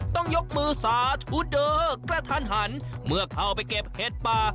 ต้องยกมือสาธุเดอร์กระทันหันเมื่อเข้าไปเก็บเห็ดป่า